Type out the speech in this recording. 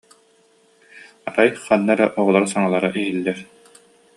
Арай ханна эрэ оҕолор саҥалара иһиллэр: